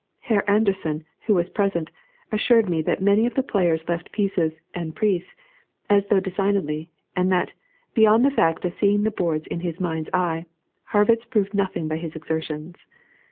Herr Anderssen, who was present, assured me that many of the players left pieces en prise, as though designedly, and that, beyond the fact of seeing the boards in his mind's eye, Harrwitz proved nothing by his exertions.